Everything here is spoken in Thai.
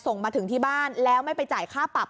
ส่งมาถึงที่บ้านแล้วไม่ไปจ่ายค่าปรับ